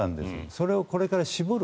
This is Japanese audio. それをこれから絞る。